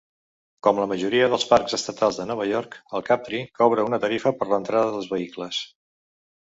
Com la majoria dels Parcs Estatals de Nova York, el Captree cobra una tarifa per l'entrada dels vehicles.